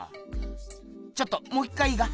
ちょっともう一回いいか？